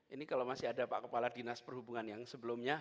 ini kalau masih ada pak kepala dinas perhubungan yang sebelumnya